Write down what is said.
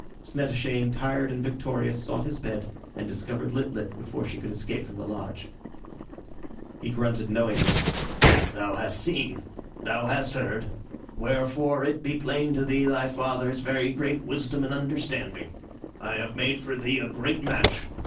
Snettishane, tired and victorious, sought his bed, and discovered Lit lit before she could escape from the lodge. He grunted knowingly: "Thou hast seen. Thou has heard. Wherefore it be plain to thee thy father's very great wisdom and understanding. I have made for thee a great match.